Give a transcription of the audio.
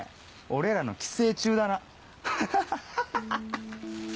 俺らの寄生虫だなハハハ